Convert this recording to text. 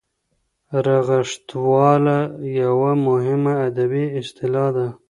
رغښتواله یوه مهمه ادبي اصطلاح ده.